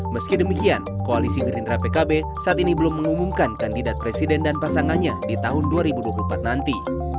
meski demikian koalisi gerindra pkb saat ini belum mengumumkan kandidat presiden dan pasangannya di tahun dua ribu dua puluh empat nanti